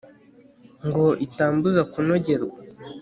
ngo itambuza kunogerwa